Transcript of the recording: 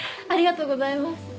ありがとうございます。